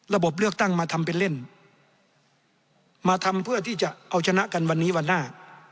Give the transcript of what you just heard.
เลือกตั้งมาทำเป็นเล่นมาทำเพื่อที่จะเอาชนะกันวันนี้วันหน้า